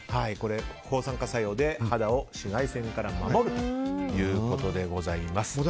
抗酸化作用で肌を紫外線から守るということでございます。